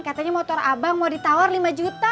katanya motor abang mau ditawar lima juta